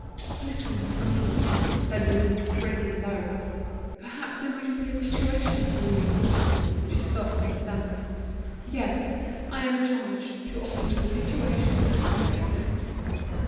"Listen, uncle," said Denise, greatly embarrassed; "perhaps there might be a situation for you." She stopped, and stammered. "Yes, I am charged to offer you a situation as inspector."